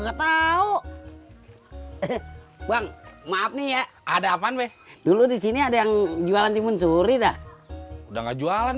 ga tau bang maaf nih ya ada apaan dulu di sini ada yang jualan timun suri dah udah nggak jualan